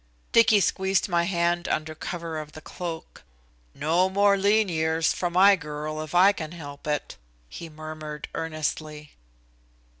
Dicky squeezed my hand under cover of the cloak. "No more lean years for my girl if I can help it." he murmured earnestly.